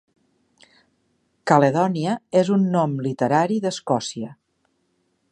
Caledònia és un nom literari d'Escòcia.